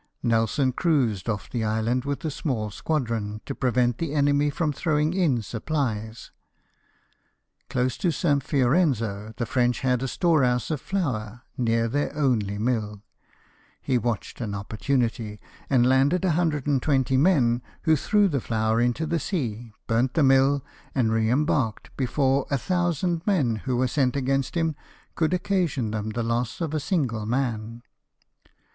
Nelson cruised off the island with a small squadron, to prevent the enemy from throwing in supplies. Close to St. Fiorenzo the French had a storehouse of flour, near their only mill ; he watched an opportunity, and landed 120 men, who threw the flour into the sea, burnt the mill, and re embai'ked before 1,000 men, who were sent against him, could occasion them the loss of a single man.